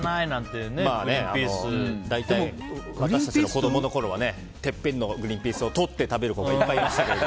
子供の頃は大体てっぺんのグリーンピースを取って食べる子がいっぱいいましたけど。